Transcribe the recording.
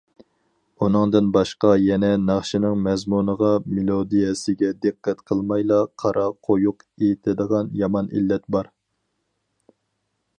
ئۇنىڭدىن باشقا يەنە ناخشىنىڭ مەزمۇنىغا، مېلودىيەسىگە دىققەت قىلمايلا قارا قويۇق ئېيتىدىغان يامان ئىللەت بار.